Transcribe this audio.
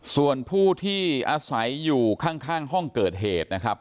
ส่วนผู้ที่อาศัยอยู่ข้างห้องเกิดเหตุนะครับ